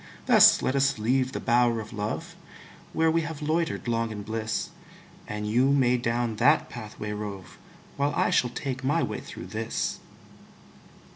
Thus let us leave the bower of love, Where we have loitered long in bliss; And you may down that pathway rove, While I shall take my way through this.